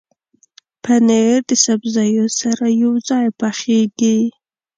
پنېر د سبزیو سره یوځای پخېږي.